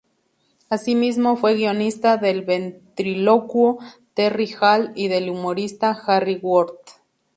Así mismo, fue guionista del ventrílocuo Terry Hall y del humorista Harry Worth.